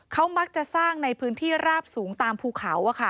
เขามักจะสร้างในพื้นที่ราบสูงตามภูเขา